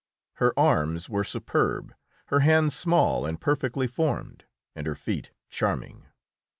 Her arms were superb, her hands small and perfectly formed, and her feet charming.